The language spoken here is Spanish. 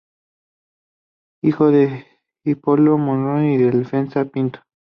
Hijo de Hipólito Monroy y de Delfina Pinto.